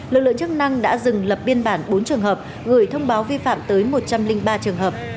lực lượng chức năng đã dừng lập biên bản bốn trường hợp gửi thông báo vi phạm tới một trăm linh ba trường hợp